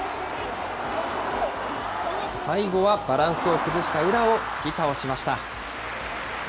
最後はバランスを崩した宇良を突き倒しました。